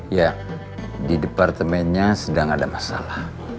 ya di departemennya sedang ada masalah